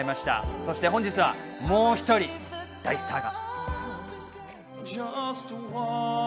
そして本日、もう１人、大スターが。